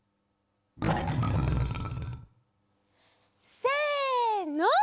せの！